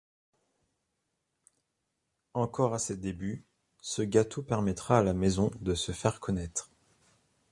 Encore à ces débuts, ce gâteau permettra à la maison de se faire connaître.